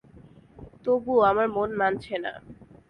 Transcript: তবুও আমার মন মানছে না।